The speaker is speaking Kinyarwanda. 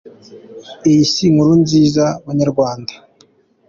Iyi si inkuru nziza ku banyarwanda.